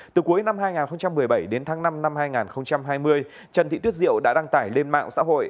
từ cuối năm hai nghìn một mươi bảy đến tháng năm năm hai nghìn hai mươi trần thị tuyết diệu đã đăng tải lên mạng xã hội